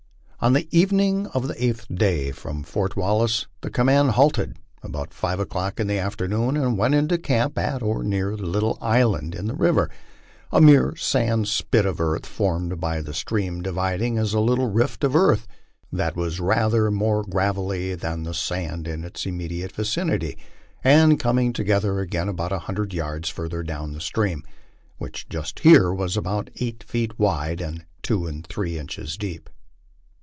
On the evening of the eighth day from Fort Wallace, the command halted about fiva o'clock in the afternoon and went into camp at or near a little island in tho river, a mere sand spit of earth formed by the stream dividing at a little rifb of earth that was rather more gravelly than the sand in its immediate vicinity, and coming together again about a hundred yards further down the stream, which just here was about eight feet wide and two or three inches deep.